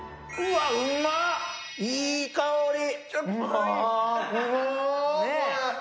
いい香り。